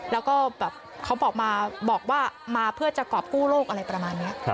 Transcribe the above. แล้วก็เขาบอกมาเพื่อจะกรอบผู้โลกอะไรประมาณนี้